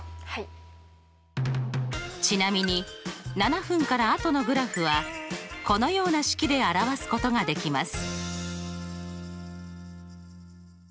ちなみに７分から後のグラフはこのような式で表すことができます。